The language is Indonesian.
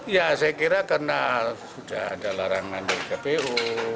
ya saya kira karena sudah ada larangan dari kpu